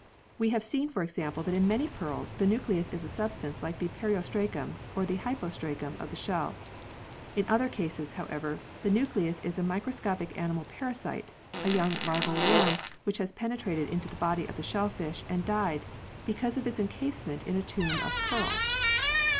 We have seen for example that in many pearls the nucleus is a substance like the periostracum or the hypostracum of the shell. In other cases, however, the nucleus is a micro scopic animal parasite, a young larval worm which has penetrated into the body of the shellfish and died because of its encasement in a tomb of pearl.